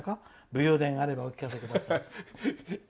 武勇伝があれば聞かせてください。